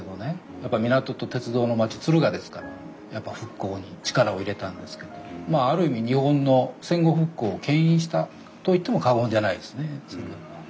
やっぱり港と鉄道の町敦賀ですから復興に力を入れたんですけどまあある意味日本の戦後復興をけん引したと言っても過言じゃないですね敦賀は。